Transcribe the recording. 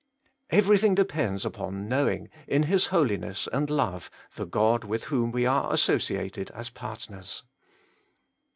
Everything de pends upon knowing, in His holiness and love, the God with whom we are associated as partners.